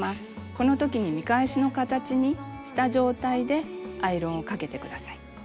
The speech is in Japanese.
このときに見返しの形にした状態でアイロンをかけて下さい。